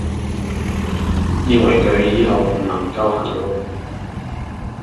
認為佢以後唔能夠行路